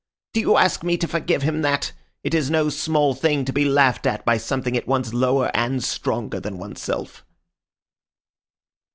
Do you ask me to forgive him that? It is no small thing to be laughed at by something at once lower and stronger than oneself."